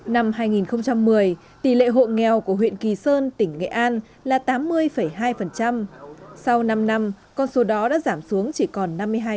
năm hai nghìn một mươi tỷ lệ hộ nghèo của huyện kỳ sơn tỉnh nghệ an là tám mươi hai sau năm năm con số đó đã giảm xuống chỉ còn năm mươi hai